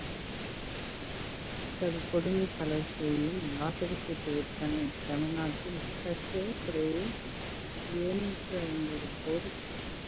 இத்தகு கொடுமை பல செய்யும் லாட்டரிச் சீட்டு விற்பனை தமிழ்நாட்டில் சற்றேறக்குறைய எழுநூற்று ஐம்பது கோடி.